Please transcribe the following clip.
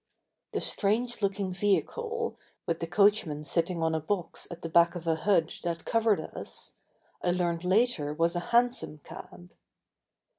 The strange looking vehicle, with the coachman sitting on a box at the back of a hood that covered us, I learned later was a hansom cab.